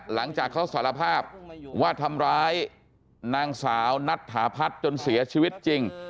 หลังจากเขาสารภาพว่าทำร้ายนางสาวนัทถาพัฒน์จนเสียชีวิตจริง